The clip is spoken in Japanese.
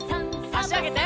あしあげて。